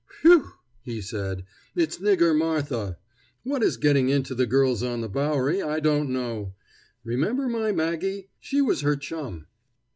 "Phew!" he said, "it's Nigger Martha! What is gettin' into the girls on the Bowery I don't know. Remember my Maggie? She was her chum."